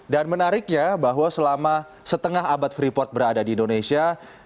dan menariknya bahwa selama setengah abad freeport berada di indonesia